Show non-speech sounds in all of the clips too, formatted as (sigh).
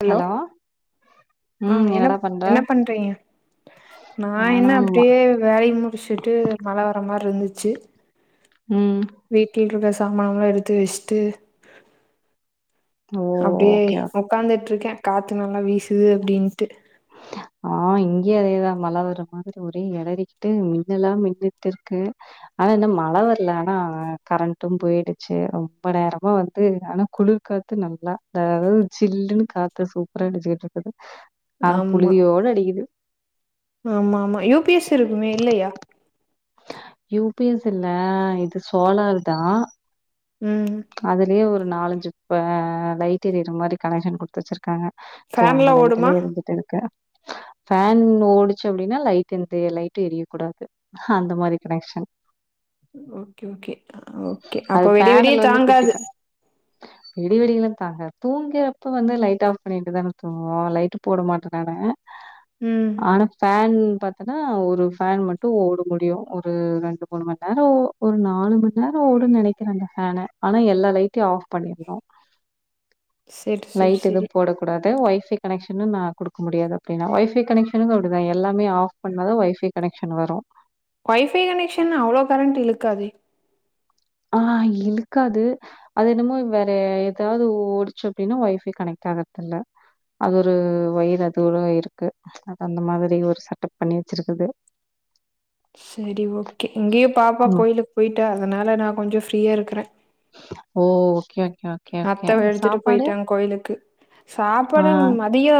Hello ஆ ம் என்ன என்னடா பண்ற என்ன பண்றீங் நா என்ன நானாம்மா அப்பிடியே வேலை முடிச்சுட்டு மழவர மாரி இருந் ச்சி ம் வீட்டில் இருக்கஸ் சாம்பானம்ல்லா எடுத்து வசிட்டு ஓ அப்பிடியே ஓகே ஓகே உக்காந்துட்டுருக்கே காத்து நல்லா வீசுது அப்பிடின்ட்டு ஆ இங்கேயே அதேதா மழவர்ற மாதிரி ஒரே இடறிக்கிட்டு மின்னல்லா மின்ட்டு இருக்கு ஆனா என்னு மழவரல ஆனா கரண்ட்டும் போயிடுச்சி பட ரொம்ப வந்து ஆனா குளிர் காத்து நல்லா அத அதாவது சில்லுன்னு காத்து சூப்பராடிச்சுக்கிட்டு இருக்குது ஆனா ஆம்மா புழுதியோட அடிக்குது ஆம்மா ஆமா யூபிஎஸ் இருக்குமே இல்லையா யூபிஎஸ் இல்ல இது சோலர்தா ம் அதிலியே ஒரு நாலஞ்சுப்ப லைட் எரியுற மாரி கனெக்ஷன் குடுத்துவச்சிருக் க்காங்க சோ அந்த ஃபேன்லா லைட்டுலே ஓடுமா எரிஞ்சிட்டு இருக்க ஃபேன் ஓடிச்சு அப்டினா லைட் எந்த லைட்டும் எரியக்கூடாது ஹ அந்த மாரி கனெக்ஷன் ஓகே ஓகே ஓகே அப்ப அது விடி விடிய பேனல் வந்து குட்டி தாங்காது பே தூங்கிறப்ப வந்து லைட் ஆஃப் பண்ணிட்டு தான தூங்குவோ லைட்டு போட மாட்ட நானு ம் ஆன ஃபேன் பாத்தனா ஒரு ஃபேன் மட்டும் ஒடும் முடியும் ஒரு ரெண்டு மூணு மணி நேரோ ஒரு நாலு மணி நேரோ ஓடுன் நெனைக்கிறங்க ஃபேனு ஆனா எல்லா லைட்டையும் ஆஃப் பண்ணிருணு செரி செரி லைட் செரி எதும் போட கூடாது து வை ஃபை கனெக்ஷனு நா குடுக்க முடியாது அப்டின்னா வை ஃபை கனெக்ஷனுக்கும் அப்டிதா எல்லாமே ஆஃப் பண்ண தா வை ஃபை கனெக்ஷன் வரும் வை ஃபை கனெக்ஷன் அவ்ளோ கரண்ட் இழுக்காதே ஆ இழுக்காது அது என்னமோ வேற ஏதாவது ஓடிச்சு அப்டின்னா வை ஃபை கனெக்ட் ஆகறதில்ல அது ஒரு வயர் அத்தோட இருக்கு அது அந்த மாதிரி ஒரு செட்டப் பண்ணி வச்சிருக்குது செரி ஓகே இங்கேயு பாப்பா ம். கோயிலுக் போய்டால் அதனால நா கொஞ்சோ ஃப்ரீயா இருக்கற ஓ ஓகே வக் அத்த வெழுத்துட்டு போய்ட்டாங்க கோயிலுக்கு ஆ. சாப்பாடு மதியோ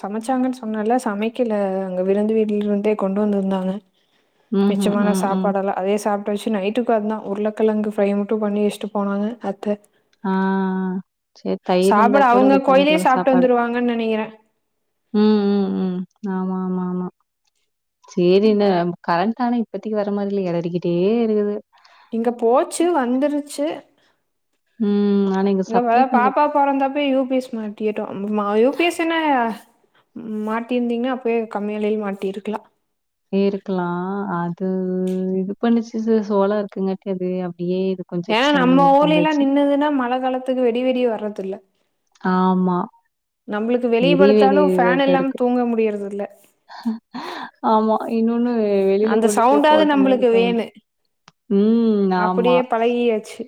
சமச்சாங்கன்னு சொன்னல்ல சமைக்கல அங்க விருந்து வீட்ல இருந்தே கொண்டு வந்திருந்தாங்க ம்ஹ்ம். மிச்சமான ம், ம். சாப்பாடெல்லா அதே சாப் (unintelligible) நைட்டுக்கும் அந்தா உருளக்கெழங்கு ஃப்ரை மட்டும் பண்ணி வச்சிட்டு போனாங்க அத்த ஆ சரி தயிர் இருந்தா சாப்ட கூட அவுங்க இது கோயிலே பண்ணிக்கலாம் சாப்ட்டு சாப்பாடு. வந்துருவாங்கன்னு நெனைக்கிற ம் ம் ம் ஆமா ஆமா ஆமா செரி இந்த கரண்ட் ஆனா இப்பத்திக்கி வர மாரி இல்ல எரடிக்கிட்டே இருக்குது இங்க போச்சு வந்துருச்சு ம். ஆனா எங்க இங்க வ சப்ளை கொஞ்சம் பாப்பா பொறந்தப்போ யு பி எஸ் மாட்டிகிட்டோ யு பி எஸ் ஸின்ன மாட்டிருந்தீங்னா அப்பயே கம்மி வெலேல் மாட்டி இருக்கலா இருக்லா அது இது பண்ணிச்சு இது சோளா இருக்குங்கட்டி அது அப் ஏனா நம்ம ஊர்ல எல்லா நின்னுதுன்னா மழ காலத்துக்கு வெட் டி வி டியே வரதில்ல ஆமா நம்மளுக்கு வெளிய விடி வெடி படுத்தாலு இதா ஃபேன் தான் இல்லா இருக்கு. தூங்க முடியறது இல்ல ஆமா இன்னொன்னு வெளியில அந்த கொண்டு போய் சவுண்டாவது போட்ட மாரி நம்மளுக்கு சவுண்டு. வேணு ம். ஆமா, அப்புடியே பழகியாச்சு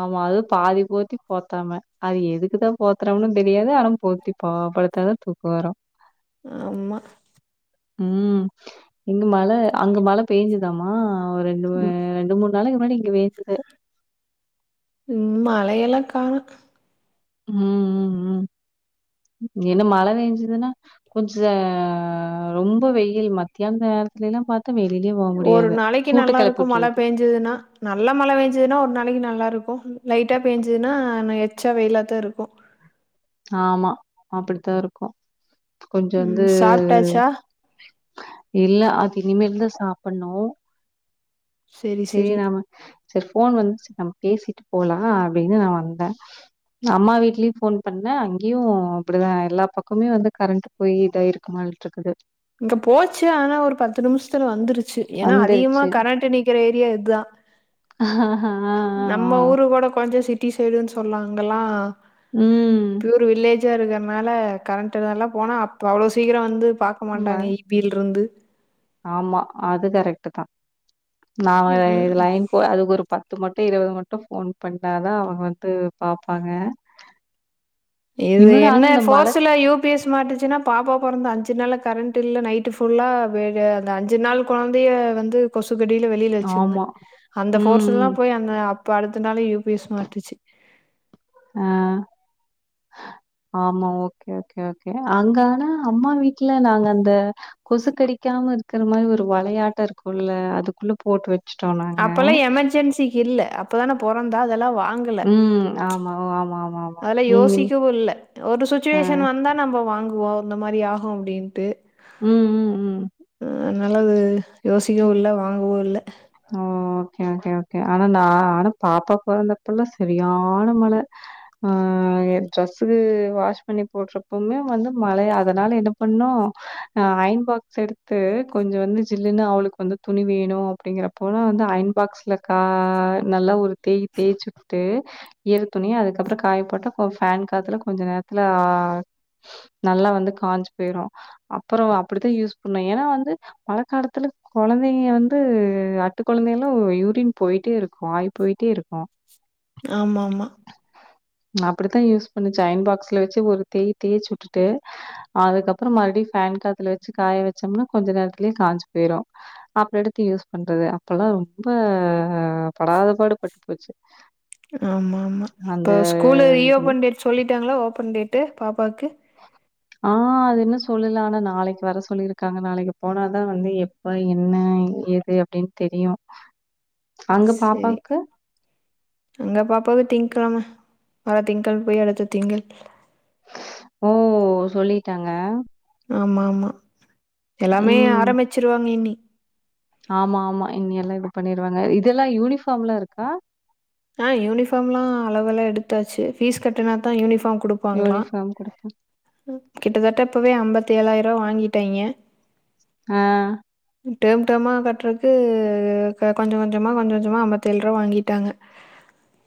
ஆமா அது பாதி போத்தி போத்தாம அது எதுக்குதா போத்துறோம்ன்னு தெரியாது ஆனா போத்தி பா பாடுத்தாதா தூக்கோ வரு ஆமா ம் இங்க மழ அங்க மழ பேஞ்சுதாம்மா ஆ ரெண்டுமே ம் ரெண்டு மூணு நாளுக்கு முன்னாடி இங்க பேஞ்து ம் மழையெல்லா காணோ ம் ம் ம் என்ன மழ பேஞ்சுதுன்னா கொஞ்ச ரொம்ப வெயில் மத்தியான நேரத்துல எல்லாம் பாத் ஒரு நாளைக்கு நல்லா இருக்கு மழ விட்டுருது பேஞ்சுதுன்னா நல்லா மழ பேஞ்சுதுன்னா ஒரு நாளைக்கு நல்லா இருக்கு லைட்டா பேஞ்சுதுன்னா நேத் எச்சா வெயிலாத்தா இருக்கு ஆமா அப்புடித்தா இருக்கு கொஞ்சோ ம் வந்து சாப்ட்டாச்சா இல்ல அது இனிமேல்தா சாப்பன்னு செரி சேரி செரி நாம சேர் ஃபோன் வந்துச்சு நாம பேசிட்டு போலா அப்டின்னு நா வந்த நா அம்மா வீட்லியு ஃபோன் பண்ண அங்கயு அப்புடிதா எல்லா பக்கமே வந்து கரண்ட் போயி இதா இருக்கு மாரிட்டு இருக்குது இங்க போச்சு ஆனா ஒரு பத்து நிம்ஷத்துல வந்துருச்சு ஏன்னா அதிகமா வந்துருச்சு கரண்ட்டு நீக் இருக்குற ஏரியா இதா ஆ ஆ ஆ நம்ம ஊரு கூட கொஞ்சோ சிட் டி சைடுன்னு சொல்லாங்கலா ம் பியூர் வில்லேஜ் த்தியா இருக்குறனால கரண்ட்டுகளா போனா அவ்வளோ சீக்கிரோ வந்து பாக்க மாட்டாங்க ஈ பில இருந்து ஆமா அது கரெக்ட்டுதா நா ம் இது லைன் போய் அதுக்கு ஒரு பத்து மட் பே இருபது மட்டு ஃபோன் பண்ணாதா அவங்க வந்து பாப்பாங்க இது இன்னொன்னு என்ன ஆனா இந்த மழ போர்ஸ்ல யூ பி எஸ் மாட்டுசுன்னா பாப்பா பொறந்த அஞ்சு நாள் கரண்ட் டு இல்ல நைட்டு ஃபுல்லா அந்த அஞ்சு நாள் கொழந்தய வந்து கொசு கடியில வெளில வெச்சுருந்த ஆமா அந்த ம் போர்ஸ்ல்லா போய் அந்த அப் பால்லு பத்து நால யூபிஎஸ் மாட்டுச்சு அ ஆமா ஓகே ஓகே கே அங்கனா அம்மா வீட்ல நாங்க அந்த கொசு கடிக்காம இருக்கற மாதிரி ஒரு வலாயாட்ட இருக்கோல்ல அதுக்குள்ள போட்டு வச் அப்பல்லா எமெர்ஜென்சிக்கு இல்ல அப் இப்பதான பொறந்தா அதெல்லா ம் ஆமா ஓ ஆமா ஆம் அதல யோசிக்கவு இல்ல ஒரு ஆ சுச்சுவேஷன் வந்தா நம்ம வாங்கோ ஓ அந்த மாரி ஆகு அப்டின்ட்டு ம் ம் ம் அ நல்லது யோசிக்கவோ இல்ல வாங்கவோ இல்ல ஓ ஓக்கே ஓக்கே ஓக்கே ஆனா நா ஆனா பாப்பா பொறந்தப்பல்லா சரியான மழை ஆ ஏ ட்ரெஸ்ஸ வாஷ் பண்ணி போடுறப்பமே வந்து மழை அதனால என்ன பண்ணோ ஆ அயன் பாக்ஸ் எடுத்து கொஞ்ச வந்து ஜில்லுனு அவளுக்கு வந்து துணி வேணு அப்டிங்கற போல வந்து அயன் பாக்ஸ்ல கா நல்லா ஒரு தேய் தேய்ச்சு புட்டு ஈர துணி அதுக்கப்புற காய போட்டப்ப ஃபேன் காத்துல கொஞ்ச நேரத்துல ஆ நல்லா வந்து காஞ்சு போயிரு அப்புற அப்டித்தா யூஸ் பண்ணோ ஏனா வந்து மழ காலத்துல கொழந்தைங்க வந்து அட் ட்டு கொழந்தைகலா. ஓ யூரின் போயிட்டே இருக் ஆய் போயிட்டே இருக்கோ ஆமாமா அப்டித்தா யூஸ் பண்ணுச்ச அயன் பாக்ஸ்ல வச்சு ஒரு தேய் தேய்ச்சு. வுட்டுட்டு அதுக்கப்புற மறுபடி ஃபேன் காத்துல வச்சு காய வச்சோம்னா கொஞ்ச நேரத்துலயே காஞ்சு போயிரு அப்டி எடுத்து யூஸ் பண்றது அப்போல்லா ரொம்ப படாதபாடு பட் போச்சு ஆம்மா ஆம்மா அந்த இப்போ ஸ்கூல் இது. ரீஓபன் டேட் சொல்லிட்டாங்களா ஓபன் டேட் ட்டு பாப்பாக்கு ஆ அது என்ன சொல்லலா ஆனா நாளைக்கு வர சொல்லியிருக்காங்க நாளைக்கு போனாதா வந்து எப்ப என்ன ஏது அப்டின் தெரியு அங்க சரி. பாப்பாவுக்கு எங்க பாப்பா திங்க்கிழம வர திங்கள் போய் அடுத்த திங்கள் ஓ சொல்லிட்டாங்க ஆம்மா ஆமா எல்லாமே ஆரம்பிச்சிருவாங்க இனி ஆம்மா ஆமா இனி எல்லா இது பண்ணிருவாங்க இதெல்லாம யூனிஃபாம் லா இருக்கா ஆ யூனிஃபார்ம் லா அளவுலா எடுத்தாச்சு ஃபீஸ் கட்டனா தா யூனிஃபார்ம் குடுப்பாங்களா யூனிஃபார்ம் குடுப்பா கிட்டத்தட்ட இப்பவே அம்பத் தேலாயிர வாங்கிட்டேங்க ஆ டெர்ம் டெர்ம்மா கட்றதுக்கு க கொஞ்சோ கொஞ்சமா கொஞ்ச கொஞ்சமா அம்பத்தேல் ரூவா வாங்கிட்டாங்க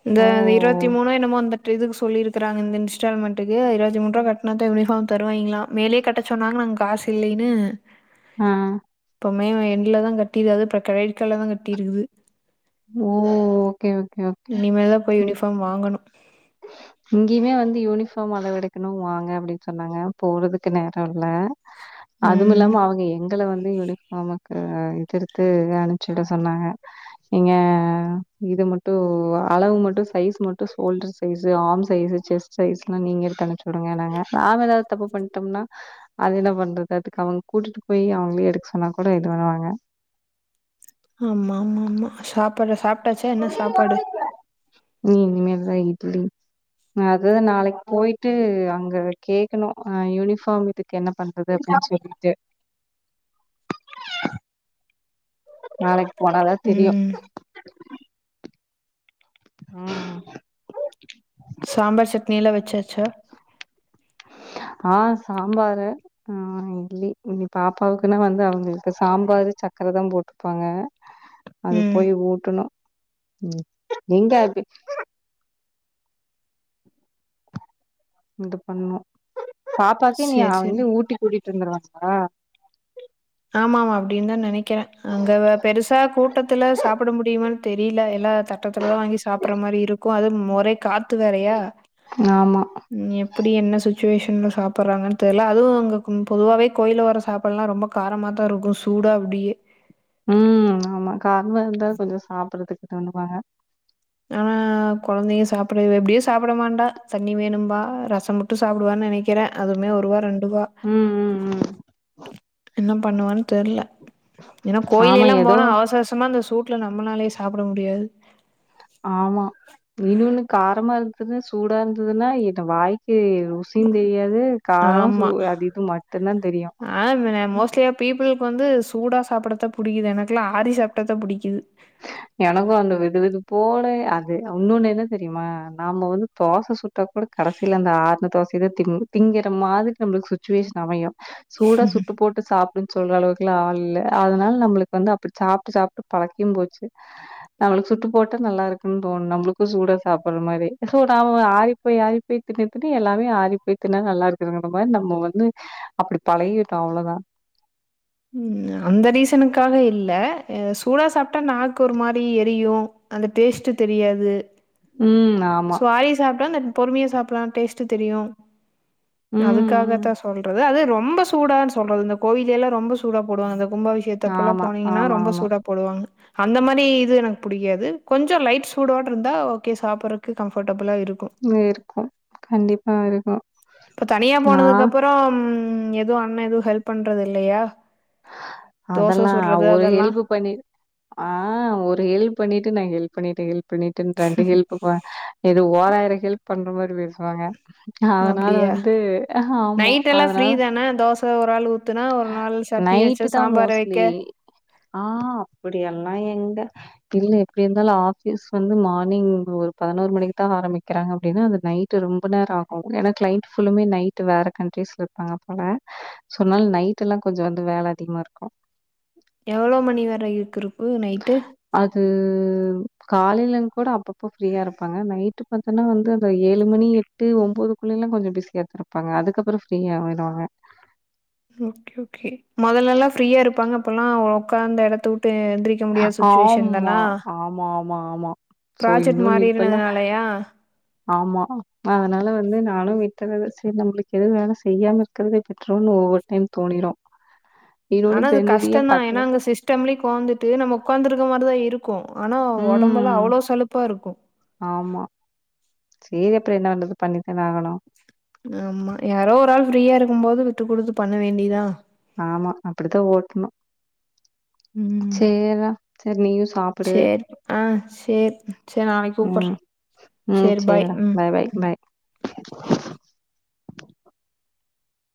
இந்த ஓ இருவத்தி மூணு என்னமோ அந்த இதுக்கு சொல்லி இருக்கறாங்க இந்த இன்ஸ்டால்மெண்டூக்கு இருவத்தி மூன்ரூவா கட்டினா யூனிஃபாம் தரூவாங்களாம் மேலே கட்டச்ச சொன்னாங்க நாங்க காசு இல்லைன்னு ஆ. எப்பமே எண்ட்ல தா கட்டிதா இப்ப கிரேட்ல தா கட்டிருக்குது ம் ஓகே, இனிமேல்தா போய் யூனிஃபாம் வாங்கணு இங்கயுமே வந்து யூனிஃபார்ம் அளவு எடுக்கணு வாங்க அப்பிடின் சொன்னாங்க போறதுக்கு நேர இல்ல அது ம் இல்லாம அவுங்க எங்கள வந்த இது யூனிபாம்க்கு கிருத்து அனுபுச்சுட சொன்னாங்க நீங்க இது மட்டு அளவு மட்டு சைஸ் மட்டு சோல்டுர் கெஞ்சோ ஆம் சைசு செஸ்ட் சைஸ்ல்லா நீங்க எடுத்து அனுச்சு உடுங்கனாங்க நாம ஏதாவுது தப்பு பண்ணிட்டம்னா அது என்ன பண்றது அதுக்கு அவங் கூட்டிட்டு போய் அவங்களே எடுக்க சொன்னா கூட இதுனாங்க ஆமா மா மா ஷாப் பொரியல் போட்டுங்க ம் ம் சரி ம் அத நாளைக்கு போயிட்டு அங்க கேக்கணு அ யூனிஃபார்ம் இதுக்கு என்ன பண்றது அப்படின்னு சொல்லிட்டு பாரக் போனதா தெரியு ம் ம் சாம்பார் சட்னியல்லா வச்சாச்சா ஆ சாம்பாரு ஆ இட்லி பாப்பாவுக்குன்னா வந்த அவுங்களுக்கு சாம்பாரு சக்கரை தா போட்டுப்பாங்க ம் அதுப்போய் ஊட்டணு ம் இந்தா பி இந்த பெண்ணு பாப்பாக்கு நீ சரி சரி அள்ளி ஊட்டி கூட்டிட்டு வருந்துருவாங்ளா ஆமா ஆமா அப்பிடின் தா நெனைக்கிறேன் அங்க பெருசா கூட்டத்துல சாப்ட முடியுமானு தெரில எல்லா தட்டத்துல தா வாங்கி சாப்புற மாரி இருக்கும் அது முறை காத்து வேறயா ஆமா எப்டி என்ன செய் சேஷன்ல சாப்பறாங்கன் தெர்ல அதுவு அங்க பொதுவாவே கோயில்ல வர சாப்பால்லா ரொம்ப காரமாதா இருக்கும் சூடா குடியி ம் ஆமா காரம்மா இருந்தா கொஞ்ச சாப்புறதுக் கனுவா ஹ கெழந்தைங்க சாப்புடவே எப்டியோ சாப்புடமாட்டா தண்ணி வேணும்பா ரசம் மட்டு சாப்புடுவானு நினைக்கிறேன் அதுமே ஒருவா ரெண் டுவா ம் ம் ம் என்ன பண்ணுவா தெரில்ல ஏன்னா கோயில் ஆமா எல்லா ஏதோ போனா அவசர அவசரமா இந்தத சூட் ட்ல நம்ம நாளாயே சாப்புட முடியாது ஆமா இன்னொன்னு காரமா இருக்குது சூடா இருந்ததுன்னா எனு வாய் ஹே ருசியும் தெரியாது காரம் சு ஆமா அது இது மட்டு தா தெரியும் ஆ ம மோஸ்ட்லியா பீப்புளுக்கு வந்து சூடா சாப்புடதா புடிக்குது எனக்குலாம் ஆரி சாப்டாத புடிக்கிது எனக்கும் அந்த வெதுவெது போல அது இன்னொன்னு என்ன தெரியுமா நாம வந்து தோசை சுட் அதுக்கப்றோ கடசில அந்த ஆறுன தோச இத திங் திங்கிற மாதிரி நம்மளுக்கு சுச்சுவேஷன் அமயு சூடா சுட்டு போட்டு சாப் சொல்ற அளவுக்கு ஆல் இல்ல அதனால நம்மளுக்கு வந்து அப்டி சாப்டு சாப்டு பழக்கிம் போச் நம்ளுக்கு சுட்டு போட்டா நல்லா இருக்குன் தோணும் நம்ளுக்கும் சூட சாப்ற மாதிரி சோ நாம ஆறிப்போய் ஆறிப்போய் தின்னு தின்னு எல்லாமே ஆறி போய் தின்னா நல்லா இருக்குங்கிற மாரி நம்ம வந்து அப்டி பழகிட்டோ அவ்ளோதா உம் அந்த ரீசனுக்காக இல்ல எ சூடா சாப்ட்டா நாக்கு ஒரு மாரி எரியு அந்த டேஸ்ட்டு தெரியாது உம் ஆமா அதுதா நம்ம பொறுமையா சாப்லாம் டேஸ்ட்டு தெரியு ம், ம். அதுக்காகத்தா சொல்றது அது ரொ ரொம்ப சூடானு சொல்றது இந்த கோயில்லலே ரொம்ப சூடா போடுவாங்க அ கும்பாபிஷேயத்தப்பலா ஆமா, போனீங்கன்னா ஆமா, ரொம்ப ஆமா. சூட போடுவாங்க அந்த மாதி இது எனக்கு புடிக்காது கொஞ்சோ லைட் சூடோடருந்தா ஓகே சாப்பிட க்கு கம்ஃபட்டபுல் இருக்கு கண்டிப்பா இருக்கும் ப்ப தனியா நான் போனதுக்கப்புறம் ம் ம்‌ எதுவு அண்ணே எதுவு ஹெல்ப் பண்றது இல்லையா தோச அதெல்லா சுட்றது ஒரு அதெல்லாம்? ஹெல்பு பண்ணி ஆ ஒரு ஹெல்ப் பண்ணிட்டு நா ஹெல்ப் பண்ணிட்டே ஹெல்ப் பண்ணி பண்ணிட்டுண்டு ஹெல்ப் பா இது ஓராயிரம் ஹெல்ப் பண்ற மாரி பேசுவாங்க அதனால அப்படியா? வந்து ஆமா அதனால தோ ஒராள் ஊத்துனா ஒரு நாலு சட்னி வச்சு நைட்டு தான் சாம்பார் வெக்க மோஸ்ட்லி நா எங்க இல்ல எப்டி இருந்தாலு ஆபீஸ் வந்து மார்னிங் ஒரு பதினோரு மணிக்கு தா ஆரம்பிக்குறாங்க அப்டின்னு அந்த நைட் ரொம்ப நேர ஆகு ஏன்னா கிளைண்ட் ஃபுல்லுமே நைட் வேற கண்ட்ரீஸ்ல இருப்பாங்க போல சொன்னால் நைட்ல்லா கொஞ்சோ வந்து வேல அதிகமாருக்கு எவ்ளோ மணி வர இருக்குரு அது காலேலங் கூட அப்பப் இப்ப ஃப்ரீயா இருப்பாங்க நைட்டு பாத்தன்னா வந்து அந்த ஏழு மணி எட்டு ஒம்போதுக்குள்ளலா கொஞ்சோ பிஸியா த இருப்பாங்க அதுக்கப்றோ ஃப்ரீயா ஆயிடுவாங்க ம் ஓகே ஓகே முதல்லல்லா ஃப்ரீயா இருப்பாங்க அப்பல்லா உக்காந்த எடத்தவுட் ஆமா ஆமா ஆமா ஆமா சோ ப்ராஜெக்ட் இன்னொன்னு இப்பல்லா மாறினதுனாலயா ஆமா ஆ அதனால வந்து நானு விட்றது சேரி நம்மளுக்கு எது வேல செய்யாம இருக்றதே பெட்றோனு ஒவ்வொரு டைம் தோனிரு ஆனா அது கஷ்டந்தா ஏன்னா அங்க சிஸ்டம்லயு உக்காந்துட்டு நம்ம உக்காந்துரு ருக்க மாரிதா இருக் ருக்கு ஆனா ஒடம்புலா ம். அவ்ளோ சலுப்பாருக்கு சேரி அப்புறோ என்ன பண்றது பண்ணித்தான ஆகணு ஆமா யாரோ ஒரு ஆள் ஃப்ரீயா இருக்கும் போது விட்டு குடுத்து பண்ண வேண்டிதா ஆமா அப்புடித்தா ஓட்ணு ம் நீயும் சாப்பிடு. சேரி சேரி சேரி நாளைக்கு கூப்புற ம். சேரி பாய் சரிடா. ம் பாய், ம் பாய். ம்